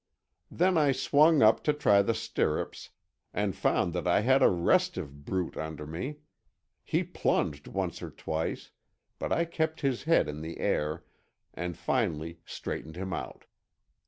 Then I swung up to try the stirrups, and found that I had a restive brute under me. He plunged once or twice, but I kept his head in the air, and finally straightened him out.